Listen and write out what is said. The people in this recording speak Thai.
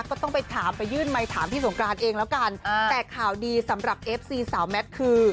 ก็ต้องไปถามไปยื่นไมค์ถามพี่สงกรานเองแล้วกันแต่ข่าวดีสำหรับเอฟซีสาวแมทคือ